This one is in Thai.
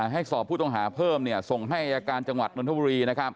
ให้สอบผู้ต้องหาเพิ่มส่งให้อายการจังหวัดนทบุรี